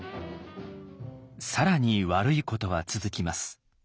更に悪いことは続きます。